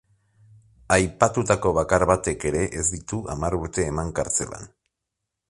Aipatutako bakar batek ere ez ditu hamar urte eman kartzelan.